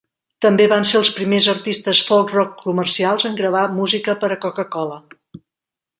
També van ser els primers artistes folk-rock comercials en gravar música per a Coca-Cola.